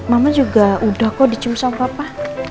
mama juga udah kok dicip sama papa